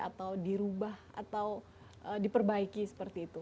atau dirubah atau diperbaiki seperti itu